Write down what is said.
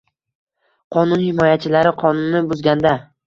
Qonun himoyachilari qonunni buzganda.